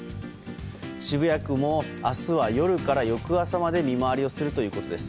渋谷区も、明日は夜から翌朝まで見回りをするということです。